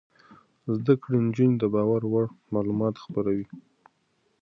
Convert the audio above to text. زده کړې نجونې د باور وړ معلومات خپروي.